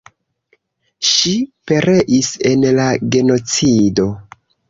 Ŝi pereis en la genocido.